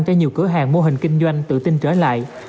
cho nhiều cửa hàng mô hình kinh doanh tự tin trở lại